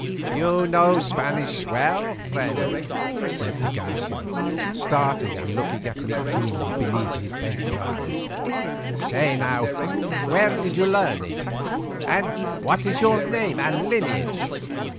"You know Spanish well, friend," said de Garcia, starting and looking at me keenly beneath his bent brows. "Say now, where did you learn it? And what is your name and lineage?"